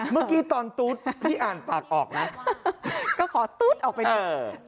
เมื่อกี้ตอนตุ๊ดพี่อ่านปากออกนะก็ขอตุ๊ดออกไปเลย